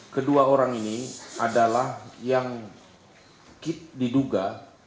kedua orang ini adalah yang diduga